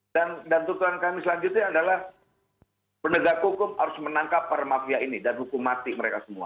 dan tentukan kami selanjutnya adalah penegak hukum harus menangkap para mafia ini dan hukumati mereka semua